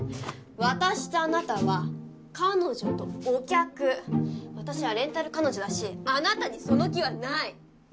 私とあなたは彼女とお客私はレンタル彼女だしあなたにその気はない！